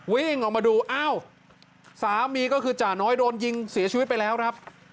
วิ่งออกมาดูอ้าวสามีก็คือจ่าน้อยโดนยิงเสียชีวิตไปแล้วครับ